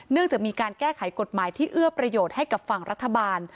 จะมีการแก้ไขกฎหมายที่เอื้อประโยชน์ให้กับฝั่งรัฐบาล